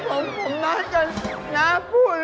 ถ้าน้าพูด